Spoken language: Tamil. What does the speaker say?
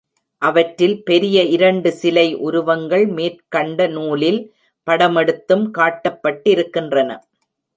அவற்றில் பெரிய இரண்டு சிலை உருவங்கள் மேற்கண்ட நூலில் படமெடுத்தும் காட்டப்பட்டிருக்கின்றன.